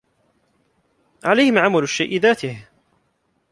عليهم عمل الشيء ذاته.